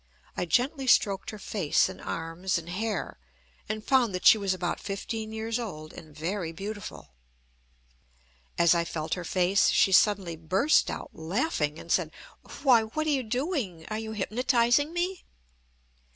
I gently stroked her face and arms and hair, and found that she was about fifteen years old, and very beautiful. As I felt her face, she suddenly burst out laughing and said: "Why! what are you doing? Are you hypnotising me?"